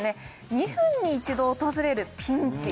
２分に１度訪れるピンチ！